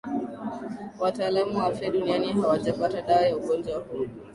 wataalamu wa afya duniani hawajapata dawa ya ugonjwa huo